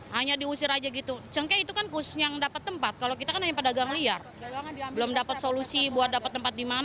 para pengunjung setuju ada penertiban